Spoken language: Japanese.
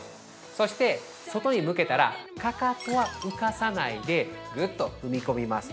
そして、外に向けたら、かかとは浮かさないでぐっと踏み込みます。